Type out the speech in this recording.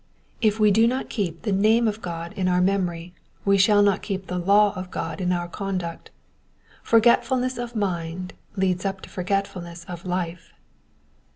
If we do not keep the name of God in our memory we shall not keep the law of God in our conduct. For getf ulness of mind leads up to forgetfulness of life.